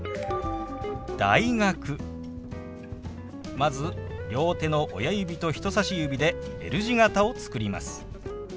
まず両手の親指と人さし指でＬ字形を作ります。